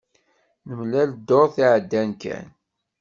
Nemlal dduṛt iɛeddan kan.